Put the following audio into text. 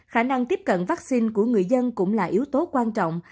khả năng tiếp cận vaccine của người dân cũng là yếu tố quan trọng